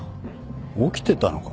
起きてたのか？